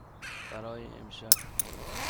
برای امشب.